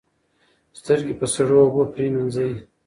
سترګې په سړو اوبو پریمنځئ.